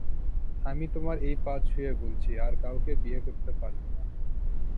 আমি তোমার এই পা ছুঁয়ে বলছি, আর কাউকে বিয়ে করতে পারব না।